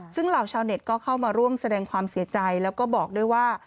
ซึ่งเหล่าชาวเน็ตก็เข้ามาร่วมแสดงความเสียใจแล้วก็บอกด้วยว่า